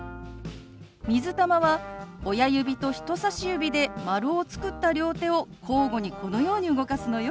「水玉」は親指と人さし指で丸を作った両手を交互にこのように動かすのよ。